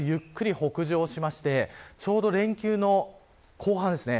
その後ゆっくり北上してちょうど連休の後半です。